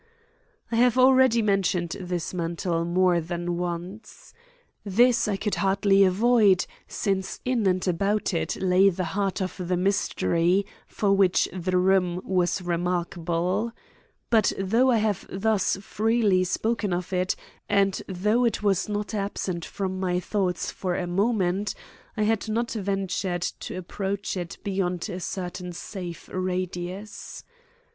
I have already mentioned this mantel more than once. This I could hardly avoid, since in and about it lay the heart of the mystery for which the room was remarkable. But though I have thus freely spoken of it, and though it was not absent from my thoughts for a moment, I had not ventured to approach it beyond a certain safe radius.